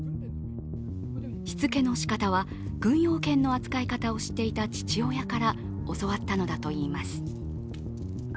しつけのしかたは、軍用犬の扱い方を知っていた父親から教わったのだといいます。